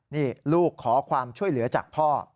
นี่ลูกขอความช่วยเหลือจากพ่อ